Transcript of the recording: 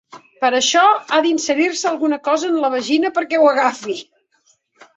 Per això ha d'inserir-se alguna cosa en la vagina perquè ho agafi.